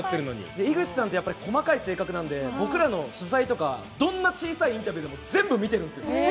井口さんって細かい性格なので、僕らの取材とが、どんな小さいインタビューでも全部、見てるんです。